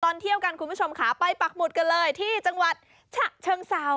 เที่ยวกันคุณผู้ชมค่ะไปปักหมุดกันเลยที่จังหวัดฉะเชิงเซา